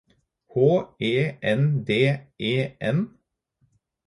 H E N D E N